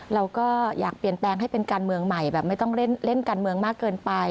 เราก็อยากเปลี่ยนแปลงให้เป็นการเมืองใหม่แบบไม่ต้องเล่นการเมืองมากเกินไป